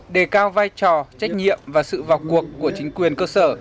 đề cao vai trò trách nhiệm và sự vào cuộc của chính quyền cơ sở